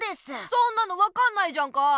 そんなの分かんないじゃんか。